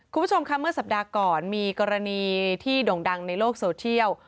คุณผู้ชมค่ะเมื่อสัปดาห์ก่อนมีกรณีที่โด่งดังในโลกโซเชียล